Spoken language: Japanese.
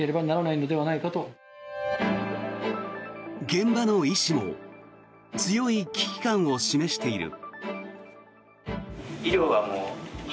現場の医師も強い危機感を示している。